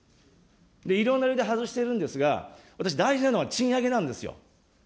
いろんな意味で外しているんですが、私、大事なのは賃上げなんですよ。